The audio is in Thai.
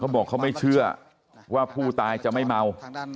บอกเขาไม่เชื่อว่าผู้ตายจะไม่เมา